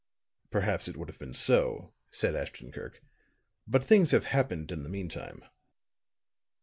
"Perhaps it would have been so," said Ashton Kirk. "But things have happened in the meantime."